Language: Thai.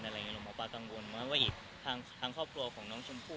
หลวงหมอปลากังวลไหมว่าอีกทางครอบครัวของน้องชมพู่